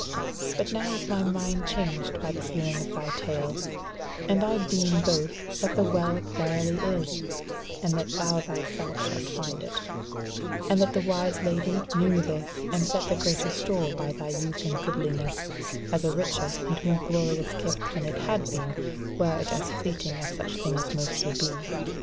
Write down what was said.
But now is my mind changed by the hearing of thy tale, and I deem both that the Well verily is, and that thou thyself shalt find it; and that the wise Lady knew this, and set the greater store by thy youth and goodliness, as a richer and more glorious gift than it had been, were it as fleeting as such things mostly be.